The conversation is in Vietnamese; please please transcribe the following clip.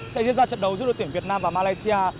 sẽ diễn ra trận đấu giữa đội tuyển việt nam và malaysia